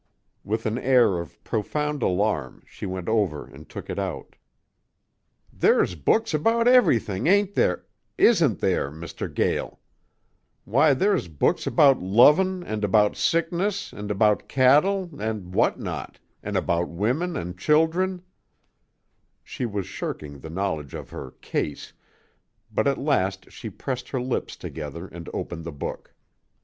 With an air of profound alarm, she went over and took it out. "There's books about everything, ain't there? isn't there, Mr. Gael? Why, there's books about lovin' an' about sickness an' about cattle an' what not, an' about women an' children " She was shirking the knowledge of her "case," but at last she pressed her lips together and opened the book.